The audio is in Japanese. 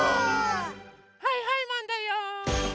はいはいマンだよ！